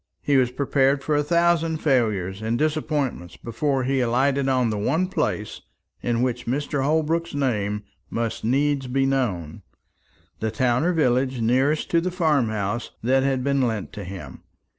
He was prepared for a thousand failures and disappointments before he alighted on the one place in which Mr. Holbrook's name must needs be known, the town or village nearest to the farm house that had been lent to him.